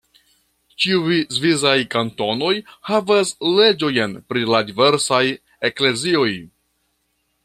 Ĉiuj svisaj kantonoj havas leĝojn pri la diversaj eklezioj.